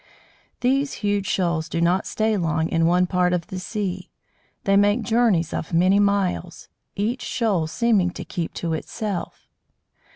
These huge shoals do not stay long in one part of the sea. They make journeys of many miles, each shoal seeming to keep to itself.